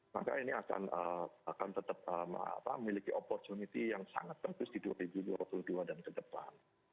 maka ini akan tetap memiliki opportunity yang sangat bagus di dua ribu dua puluh dua dan ke depan